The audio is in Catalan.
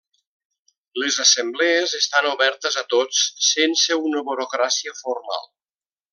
Les assemblees estan obertes a tots, sense una burocràcia formal.